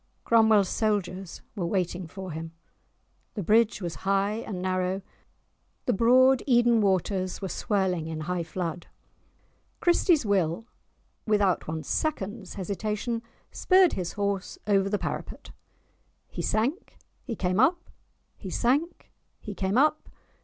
Cromwell's soldiers were waiting for him; the bridge was high and narrow, the broad Eden waters were swirling in high flood. Christie's Will, without one second's hesitation, spurred his horse over the parapet. He sank ... he came up ... he sank ... he came up